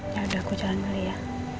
nah udah aku jalan muli ya